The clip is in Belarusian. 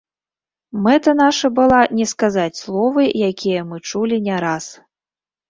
Мэта наша была не сказаць словы, якія мы чулі не раз.